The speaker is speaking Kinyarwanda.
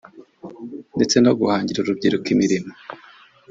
ndetse no guhangira urubyiruko imirimo